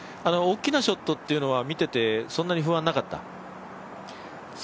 大きなショットっていうのは見ててそんなに不安はなかった？